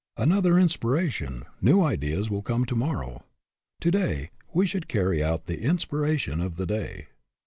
Another inspiration, new ideas will come to morrow. To day we should carry out the inspiration of the day.